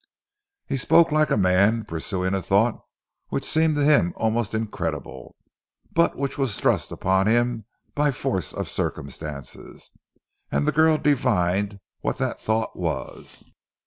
He spoke like a man pursuing a thought which seemed to him almost incredible, but which was thrust upon him by force of circumstances, and the girl divined what that thought was.